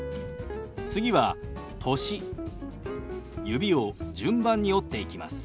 指を順番に折っていきます。